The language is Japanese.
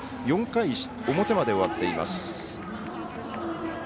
４回表まで終わっています。